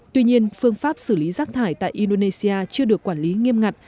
tuy nhiên phương pháp xử lý rác thải tại indonesia chưa được quản lý nghiêm ngặt